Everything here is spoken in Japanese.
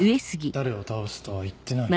誰を倒すとは言ってない？